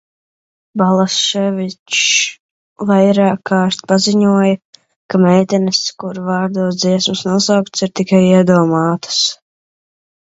Balaševičs vairākkārt paziņoja, ka meitenes, kuru vārdos dziesmas nosauktas, ir tikai iedomātas.